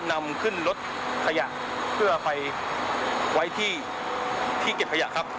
นำขึ้นรถขยะเพื่อไปไว้ที่เก็บขยะครับ